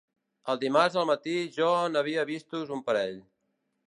El dimarts al matí jo n'havia vistos un parell